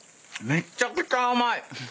めっちゃくちゃ甘い。